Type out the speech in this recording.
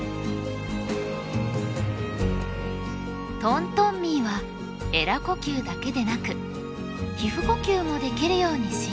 トントンミーはえら呼吸だけでなく皮膚呼吸もできるように進化。